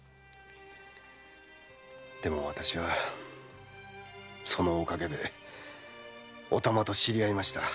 でも私はそのお陰でお玉と知り合いました。